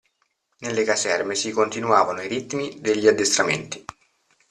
Nelle caserme si continuavano i ritmi degli addestramenti.